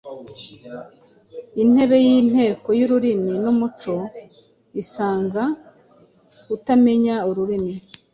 Intebe y’Inteko y’ururimi n’umuco, isanga kutamenya ururimi,